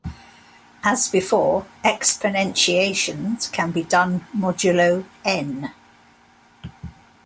As before, exponentiations can be done modulo "n".